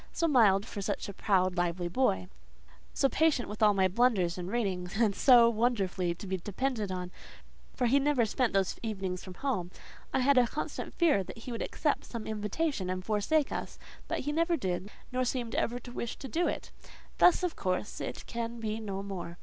So mild for such a proud, lively boy; so patient with all my blunders in reading; and so wonderfully to be depended on, for he never spent those evenings from home: I had a constant fear that he would accept some invitation and forsake us; but he never did, nor seemed ever to wish to do it. Thus, of course, it can be no more.